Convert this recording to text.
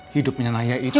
hidupnya naya itu